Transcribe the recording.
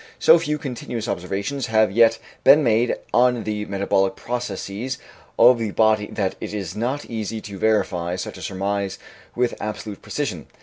So few continuous observations have yet been made on the metabolic processes of the body that it is not easy to verify such a surmise with absolute precision.